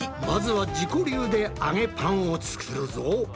まずは自己流で揚げパンを作るぞ！